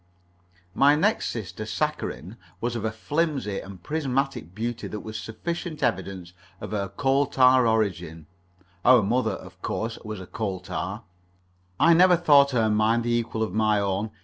My next sister, Saccharine, was of a filmy and prismatic beauty that was sufficient evidence of her Cohltar origin our mother, of course, was a Cohltar. I never thought her mind the equal of my own.